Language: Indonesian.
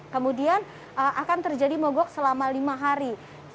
kemudian akan terjadi mogok selama lima hari